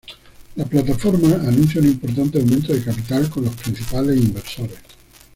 La plataforma anuncia un importante aumento de capital con los principales inversores.